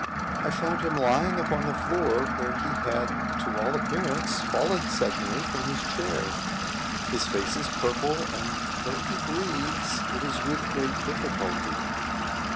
"I found him lying upon the floor, where he had, to all appearance, fallen suddenly from his chair. His face is purple, and though he breathes, it is with great difficulty."